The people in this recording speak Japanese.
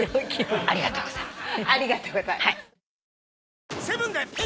ありがとうございます。